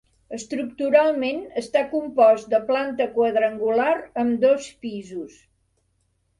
Estructuralment està compost de planta quadrangular amb dos pisos.